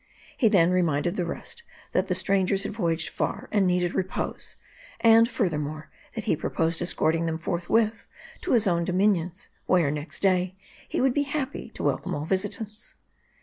He then reminded the rest, that the strangers had voyaged far, and needed repose. And, furthermore, that he proposed escorting them forthwith to his own dominions ; where, next day, he would be happy to welcome all visitants.